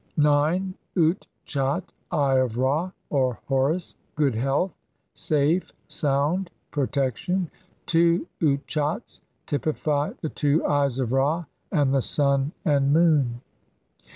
9. ^g utchat Eye of Ra or Horus. Good health, safe, sound, protection. Two utchats Z^t^Z> typify the two eyes of Ra and the Sun and Moon.